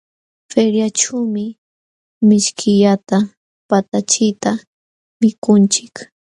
Feriaćhuumi mishkillata patachita mikunchik.